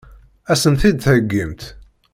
Ad sen-t-id-theggimt?